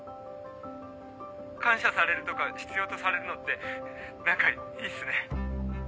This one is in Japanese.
感謝されるとか必要とされるのって何かいいっすね。